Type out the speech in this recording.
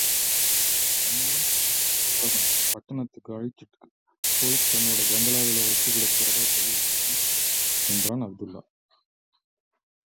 உன்னையும் என்னையும் கூட அவன் பட்டணத்துக்கு அழைச்சுக்கிட்டுப்போய்த் தன்னோட பங்களாவிலே வச்சுக்கிடப் போறதாச் சொல்லியிருக்கானே!... என்றான் அப்துல்லா.